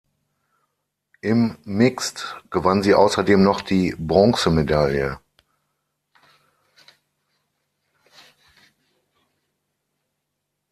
Im Mixed gewann sie außerdem noch die Bronzemedaille.